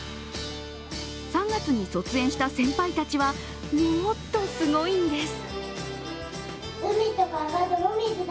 ３月に卒園した先輩たちはもっとすごいんです。